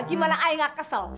gimana saya gak kesel